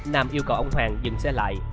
nam yêu cầu ông hoàng dừng xe lại